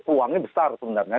peluangnya besar sebenarnya